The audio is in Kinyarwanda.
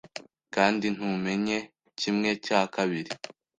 kandi ntumenye kimwe cya kabiri.